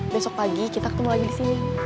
besok pagi kita ketemu lagi disini